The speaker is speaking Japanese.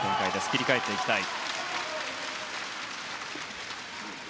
切り替えていきたい。